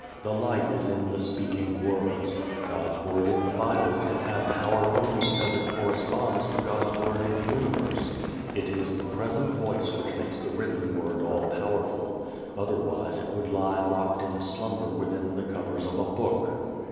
The life is in the speaking words. God's word in the Bible can have power only because it corresponds to God's word in the universe. It is the present Voice which makes the written Word all powerful. Otherwise it would lie locked in slumber within the covers of a book.